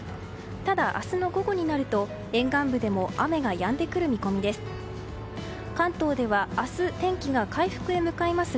ただ、明日の午後になると沿岸部でも雨がやんでくる見込みです。